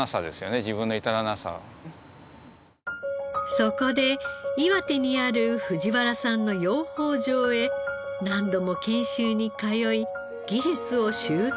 そこで岩手にある藤原さんの養蜂場へ何度も研修に通い技術を習得。